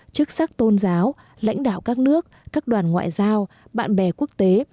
chức sắc tôn giáo lãnh đạo các nước các đoàn ngoại giao bạn bè quốc tế